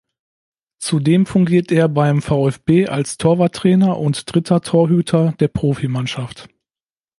Zudem fungiert er beim VfB als Torwarttrainer und dritter Torhüter der Profimannschaft.